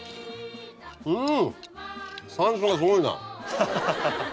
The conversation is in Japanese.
うん山椒がすごいな。